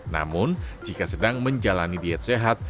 namun jika sedang menjalani diet sehat